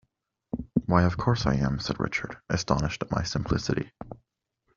"Why, of course I am," said Richard, astonished at my simplicity.